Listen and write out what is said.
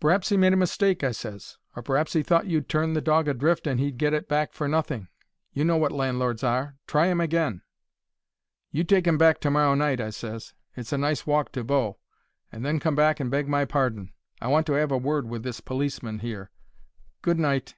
"P'r'aps he made a mistake," I ses; "or p'r'aps he thought you'd turn the dog adrift and he'd get it back for nothing. You know wot landlords are. Try 'im agin." "You take 'im back to morrow night," I ses. "It's a nice walk to Bow. And then come back and beg my pardon. I want to 'ave a word with this policeman here. Goodnight."